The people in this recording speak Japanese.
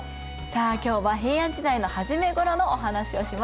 さあ今日は平安時代の初めごろのお話をしましょう。